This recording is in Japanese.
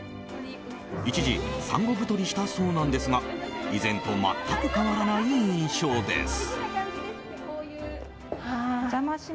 一時産後太りしたそうなんですが以前と全く変わらない印象です。